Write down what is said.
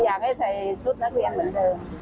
อยากให้ใส่ชุดนักเรียนเหมือนเดิม